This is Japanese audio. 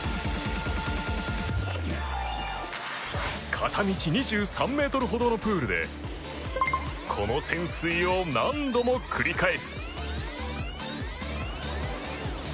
片道２３ｍほどのプールでこの潜水を何度も繰り返す。